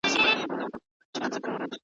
د جسمي فعالیت څخه لوېدل `